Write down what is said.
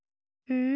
うん？